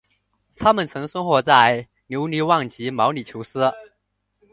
它们曾生活在留尼旺及毛里裘斯。